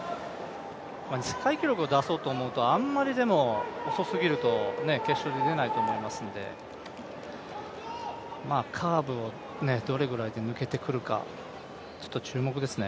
世界記録を出そうと思うと、あんまり遅すぎると決勝で出ないと思いますのでカーブをどれぐらいで抜けてくるか注目です。